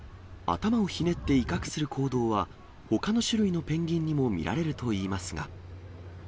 頭をひねって威嚇する行動は、ほかの種類のペンギンにも見られるといいますが。